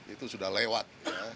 itu sudah lewat